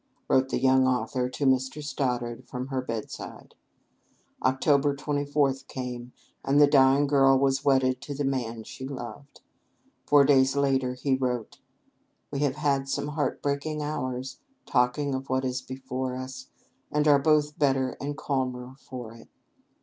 wrote the young author to Mr. Stoddard from her bedside. Oct. 24 came, and the dying girl was wedded to the man she loved. Four days later he wrote: "We have had some heart breaking hours, talking of what is before us, and are both better and calmer for it."